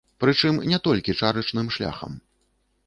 Прычым не толькі чарачным шляхам.